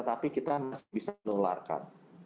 tapi kita masih bisa nularkan